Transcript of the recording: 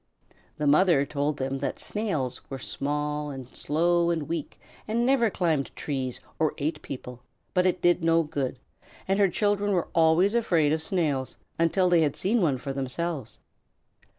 The mother told them that Snails were small and slow and weak, and never climbed trees or ate people, but it did no good, and her children were always afraid of Snails until they had seen one for themselves.